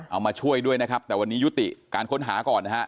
มาช่วยด้วยนะครับแต่วันนี้ยุติการค้นหาก่อนนะฮะ